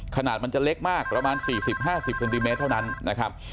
ขนาดมันจะเล็กมากประมาณสี่สิบห้าสิบเซนติเมตรเท่านั้นนะครับ